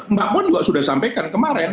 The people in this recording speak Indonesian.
mbak puan juga sudah sampaikan kemarin